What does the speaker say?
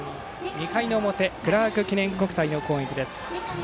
２回の表、クラーク記念国際の攻撃です。